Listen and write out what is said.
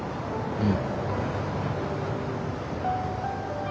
うん。